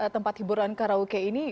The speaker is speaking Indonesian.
tempat hiburan karaoke ini